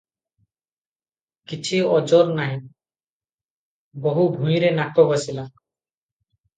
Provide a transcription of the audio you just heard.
କିଛି ଓଜର ନାହିଁ - ବୋହୂ ଭୁଇଁରେ ନାକ ଘଷିଲା ।